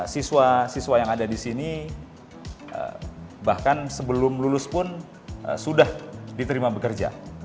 siswa siswa yang ada di sini bahkan sebelum lulus pun sudah diterima bekerja